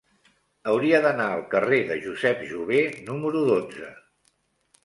Hauria d'anar al carrer de Josep Jover número dotze.